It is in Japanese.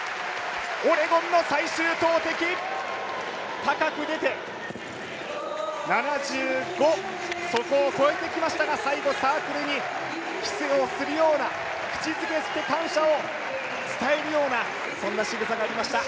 オレゴンの最終投てき、高く出て７５そこを越えてきましたが、最後、サークルにキスをするような、口づけして感謝を伝えるような、そんなしぐさがありました。